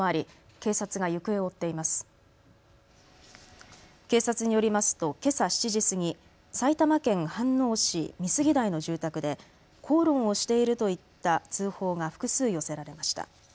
警察によりますと、けさ７時過ぎ埼玉県飯能市美杉台の住宅で口論をしているといった通報が複数寄せられました。